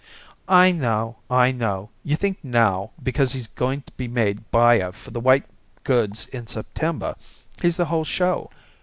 "I know. I know. You think now because he's going to be made buyer for the white goods in September he's the whole show.